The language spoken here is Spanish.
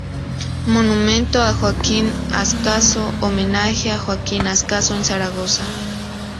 Monumento a Joaquín Ascaso: Homenaje a Joaquín Ascaso en Zaragoza